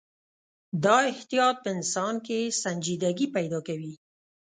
دا احتیاط په انسان کې سنجیدګي پیدا کوي.